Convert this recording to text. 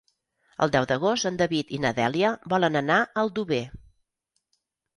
El deu d'agost en David i na Dèlia volen anar a Aldover.